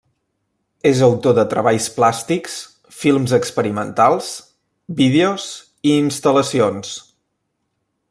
És autor de treballs plàstics, films experimentals, vídeos i instal·lacions.